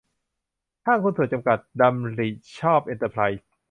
ห้างหุ้นส่วนจำกัด ดำริห์ชอบเอนเตอรไพรส์